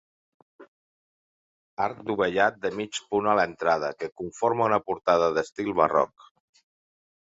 Arc dovellat de mig punt a l'entrada que conforma una portada d'estil barroc.